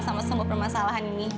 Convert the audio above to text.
sama sama permasalahan ini